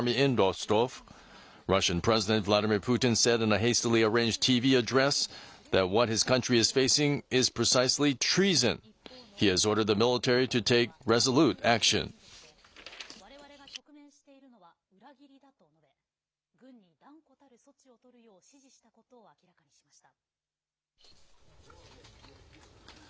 一方のプーチン大統領は緊急のテレビ演説でわれわれが直面しているのは裏切りだと述べ軍に断固たる措置をとるよう指示したことを明らかにしました。